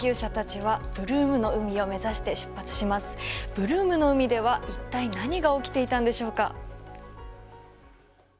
ブルームの海では一体何が起きていたんでしょうか？